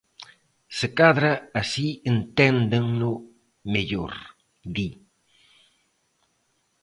"Se cadra así enténdeno mellor", di.